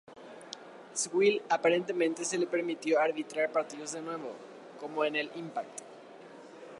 Sewell aparentemente se le permitió arbitrar partidos de nuevo, como en el "impact!